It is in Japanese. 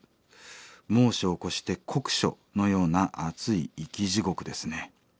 猛暑を超して酷暑のような暑い生き地獄ですね。